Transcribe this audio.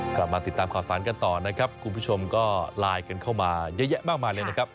กลับมาติดตามข่าวสารกันต่อนะครับคุณผู้ชมก็ไลน์กันเข้ามาเยอะแยะมากมายเลยนะครับ